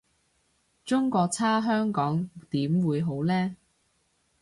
中國差香港點會好呢？